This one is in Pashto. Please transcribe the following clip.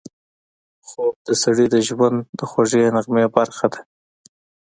خوب د سړي د ژوند د خوږې نغمې برخه ده